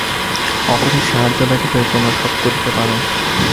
অপরের সাহায্য ব্যতীতই তোমরা সব করিতে পার।